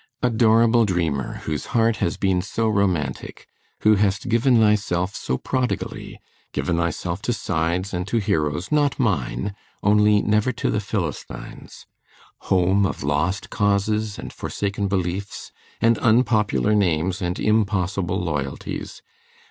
Adorable dreamer, whose heart has been so romantic! who hast given thyself so prodigally, given thyself to sides and to heroes not mine, only never to the Philistines! home of lost causes, and forsaken beliefs, and unpopular names, and impossible loyalties!